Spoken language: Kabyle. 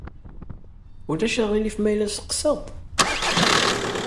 Ulac aɣilif ma yella sseqsaɣ-d?